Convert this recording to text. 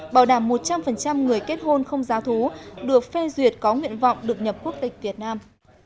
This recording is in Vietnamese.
bảo đảm một trăm linh người kết hôn không giáo thú được phê duyệt có nguyện vọng được nhập quốc tịch việt nam